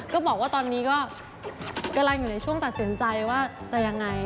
ก็บอกว่าตอนนี้ก็กำลังอยู่ในช่วงตัดสินใจว่าจะยังไง